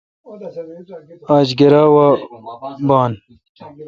آج گرا وا بان۔